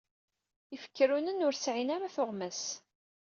Ifekrunen, ur sɛin ara tuɣmas.